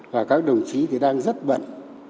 và các đồng chí thì đang rất bận